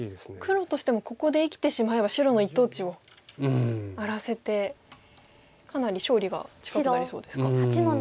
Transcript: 黒としてもここで生きてしまえば白の一等地を荒らせてかなり勝利が近くなりそうですか？